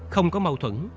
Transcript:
không có mâu thuẫn